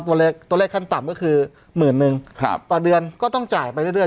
ตัวเลขตัวเลขขั้นต่ำก็คือหมื่นนึงครับต่อเดือนก็ต้องจ่ายไปเรื่อย